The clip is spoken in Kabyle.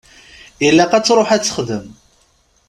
Ilaq ad truḥ ad texdem.